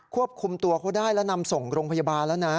ควบคุมตัวเขาได้แล้วนำส่งโรงพยาบาลแล้วนะ